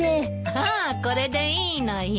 ああこれでいいのよ。